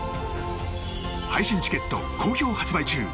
配信チケット好評発売中！